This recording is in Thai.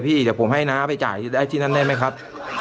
พี่เดี๋ยวผมให้น้าไปจ่ายที่นั่นได้ไหมครับ